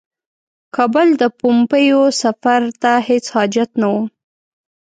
کابل ته د پومپیو سفر ته هیڅ حاجت نه وو.